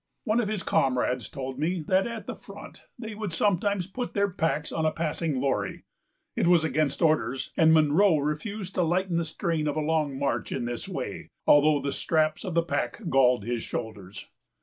One of his comrades told me that at the front they would sometimes put their packs on a passing lorry; it was against orders, and Munro refused to lighten the strain of a long march in this way, although the straps of the pack galled his shoulders.